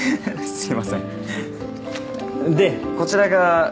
すいません